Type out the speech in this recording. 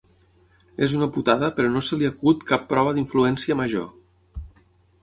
És una putada però no se li acut cap prova d'influència major.